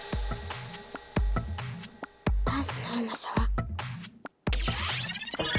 ダンスのうまさは？